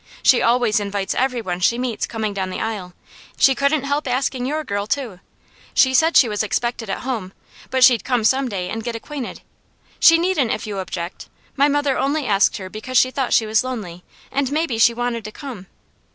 She always invites every one she meets coming down the aisle; she couldn't help asking your girl, too. She said she was expected at home, but she'd come some day and get acquainted. She needn't if you object. My mother only asked her because she thought she was lonely, and maybe she wanted to come."